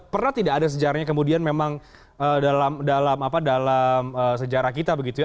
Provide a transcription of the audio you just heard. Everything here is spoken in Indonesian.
pernah tidak ada sejarahnya kemudian memang dalam sejarah kita begitu ya